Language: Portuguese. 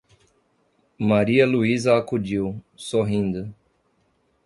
Maria Luísa acudiu, sorrindo: